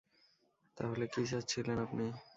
তাহলে, কী চাচ্ছিলেন আপনি?